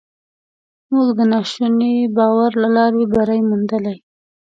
موږ د ناشوني باور له لارې بری موندلی.